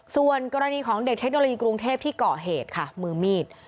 ส่วนกรณีของเด็กเทคโนโลยีกรุงเทพที่เกาะเหตุค่ะมือมีด